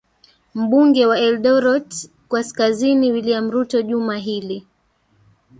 mbunge wa eldoret kaskazini wiliam ruto juma hili